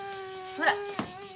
ほら。